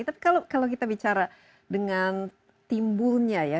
tapi kalau kita bicara dengan timbulnya ya